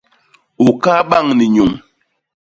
U kaa bañ ni nyuñ.